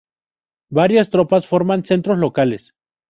Varias tropas forman centros locales.